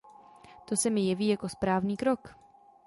To se mi jeví jako správný krok.